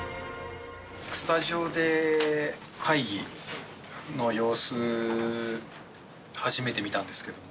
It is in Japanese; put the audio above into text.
スタジオで会議の様子、初めて見たんですけども。